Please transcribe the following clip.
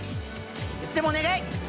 いつでもお願い！